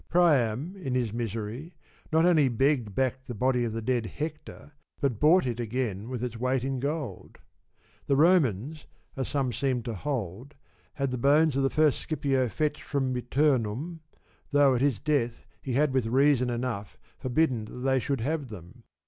Priam, in his misery, not only begged back the body of the dead Hector, but bought it again with its weight in gold. The Romans, as some seem to hold, had the bones of the first Scipio fetched from Miturnum, though at his death he had with reason enough for bidden that they should have them.